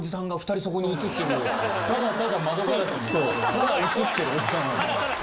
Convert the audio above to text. ただ映ってるおじさんが。